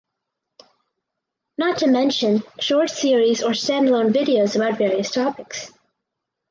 Not to mention short series or standalone videos about various topics.